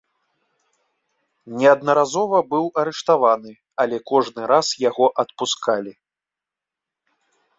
Неаднаразова быў арыштаваны, але кожны раз яго адпускалі.